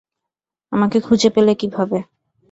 আমাকে খুঁজে পেলে কীভাবে?